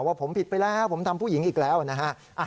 ว่าผมผิดไปแล้วผมทำผู้หญิงอีกแล้วนะฮะ